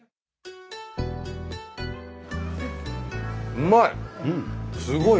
うまい。